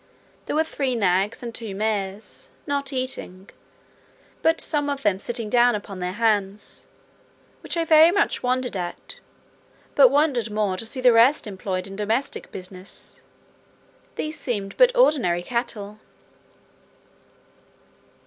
There were three nags and two mares, not eating, but some of them sitting down upon their hams, which I very much wondered at; but wondered more to see the rest employed in domestic business; these seemed but ordinary cattle.